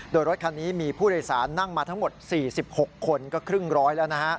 โดยรถคันนี้มีผู้โดยสารนั่งมาทั้งหมด๔๖คนก็ครึ่งร้อยแล้วนะฮะ